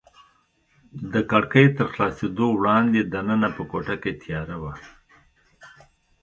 د کړکۍ تر خلاصېدو وړاندې دننه په کوټه کې تیاره وه.